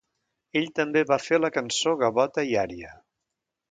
Ell també va fer la cançó gavota i ària.